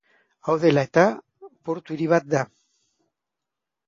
Hau dela eta portu-hiri bat da.